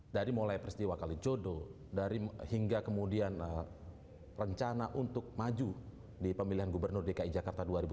dari mulai peristiwa kalijodo hingga kemudian rencana untuk maju di pemilihan gubernur dki jakarta dua ribu sembilan belas